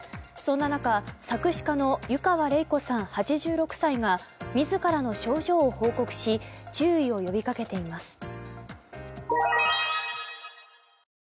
そんな中、作詞家の湯川れい子さん、８６歳が自らの症状を報告し注意を呼びかけています。